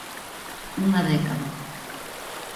Unha década.